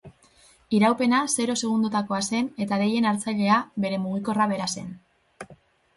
Iraupena zero segundotakoa zen eta deien hartzailea bere mugikorra bera zen.